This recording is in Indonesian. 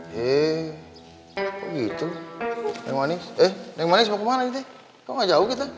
heee kok gitu nek manis eh nek manis mau kemana nih nek kok gak jauh gitu